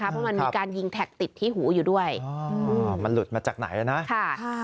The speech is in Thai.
เพราะมันมีการยิงแท็กติดที่หูอยู่ด้วยมันหลุดมาจากไหนนะ